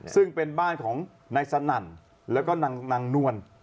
ซึ่งเป็นบ้านของนายสนั่นแล้วก็นางนวล